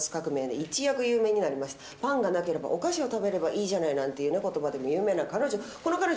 パンがなければお菓子を食べればいいじゃない、なんていう言葉で有名なこの彼女。